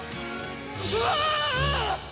「うわ！」